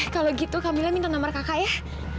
kalau gitu kak mila minta nomor kakak ya